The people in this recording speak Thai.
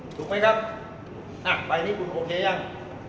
ถูกมั้ยครับใบนี้คุณโอเคยัง